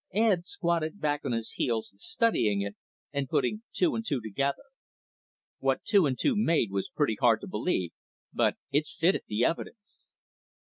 Ed squatted back on his heels, studying it and putting two and two together. What two and two made was pretty hard to believe, but it fitted the evidence.